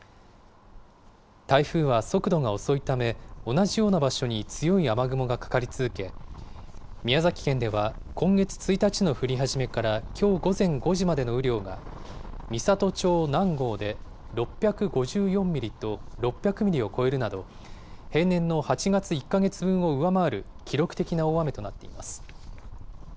台風は速度が遅いため、同じような場所に強い雨雲がかかり続け、宮崎県では今月１日の降り始めからきょう午前５時までの雨量が、美郷町南郷で６５４ミリと６００ミリを超えるなど、平年の８月１か月分を上回る記録的な大雨となっています。